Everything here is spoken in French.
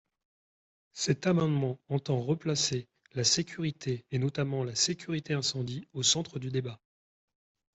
Cet amendement entend replacer la sécurité, et notamment la sécurité incendie, au centre du débat.